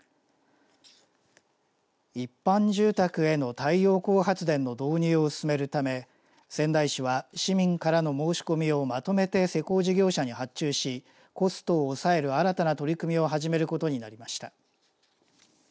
一般住宅への太陽光発電の導入を進めるため仙台市は市民からの申し込みをまとめて施工事業者に発注しコストを抑える新たな取り組みを始めることになりました。